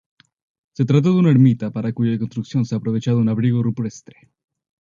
Se trata de una ermita para cuya construcción se ha aprovechado un abrigo rupestre.